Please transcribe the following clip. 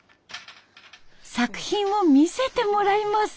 作品を見せてもらいます。